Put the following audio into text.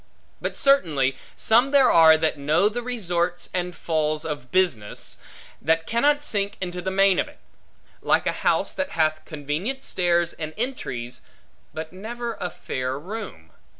But certainly some there are that know the resorts and falls of business, that cannot sink into the main of it; like a house that hath convenient stairs and entries, but never a fair room.